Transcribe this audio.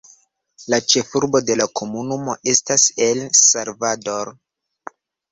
La ĉefurbo de la komunumo estas El Salvador.